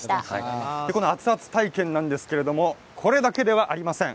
熱々体験なんですけれどもこれだけではありません。